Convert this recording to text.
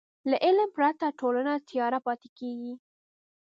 له علم پرته ټولنه تیاره پاتې کېږي.